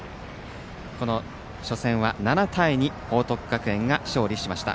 この初戦は７対２、報徳学園が勝利しました。